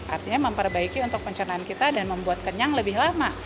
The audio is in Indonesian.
artinya memperbaiki untuk pencernaan kita dan membuat kenyang lebih lama